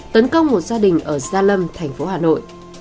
tấn công một gia đình ở gia lâm thành phố hà nội